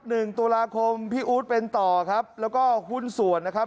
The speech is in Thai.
หนึ่งตุลาคมพี่อู๊ดเป็นต่อครับแล้วก็หุ้นส่วนนะครับ